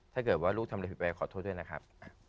ถ้าเกิดว่าลูกทำอะไรผิดไปขอโทษด้วยนะครับ